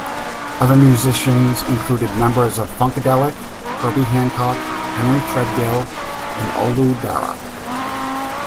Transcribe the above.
Other musicians included members of Funkadelic, Herbie Hancock, Henry Threadgill and Olu Dara.